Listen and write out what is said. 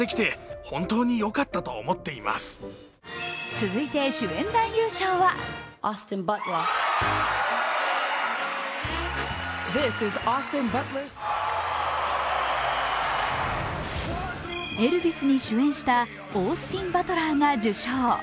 続いて、主演男優賞は「エルヴィス」に主演したオースティン・バトラーが受賞。